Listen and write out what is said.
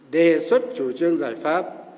đề xuất chủ trương giải pháp